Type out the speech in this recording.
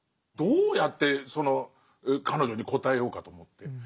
どうやってその彼女に答えようかと思って。